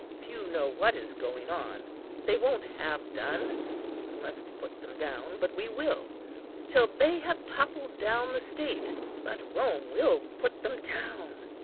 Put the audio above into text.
Few know what is going on. They won't have done (unless we put them down; but we will) till they have toppled down the state. But Rome will put them down.